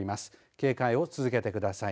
警戒を続けてください。